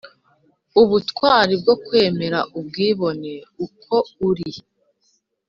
Ubutwari bwo kwemera kwibona uko uri